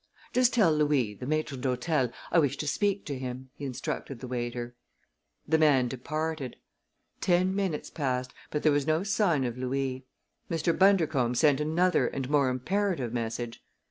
"Just tell Louis, the maître d'hôtel, I wish to speak to him," he instructed the waiter. The man departed. Ten minutes passed, but there was no sign of Louis. Mr. Bundercombe sent another and more imperative message.